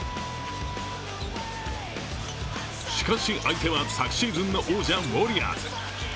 しかし相手は昨シーズンの王者、ウォリアーズ。